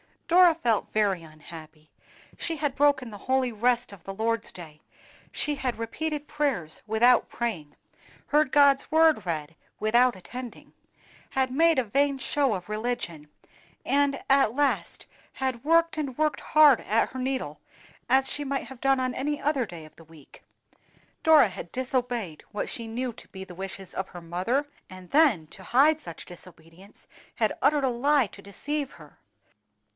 DORA felt very unhappy. She had broken the holy rest of the Lord's day; she had repeated prayers without praying, heard God's Word read without attending, had made a vain show of religion; and at last had worked and worked hard at her needle, as she might have done on any other day of the week. Dora had disobeyed what she knew to be the wishes of her mother, and then to hide such disobedience had uttered a lie to deceive her!